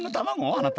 あなた。